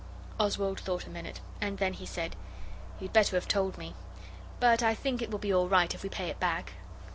Oswald thought a minute, and then he said 'You'd better have told me. But I think it will be all right if we pay it back.